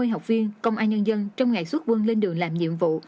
hai trăm năm mươi học viên công an nhân dân trong ngày xuất quân lên đường làm nhiệm vụ